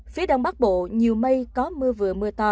phía đông bắc bộ nhiều mây có mưa vừa mưa to